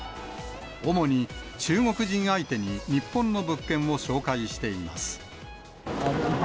主に中国人相手に日本の物件を紹介しています。